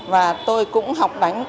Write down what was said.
và tôi cũng học đánh